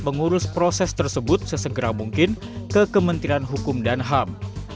mengurus proses tersebut sesegera mungkin ke kementerian hukum dan ham